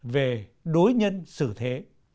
về đối nhân xử thế